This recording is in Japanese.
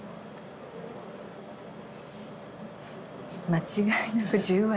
間違いなく十割。